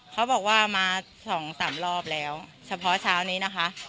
เขาบอกว่ามา๒๓รอบแล้วเฉพาะเช้านี้นะคะ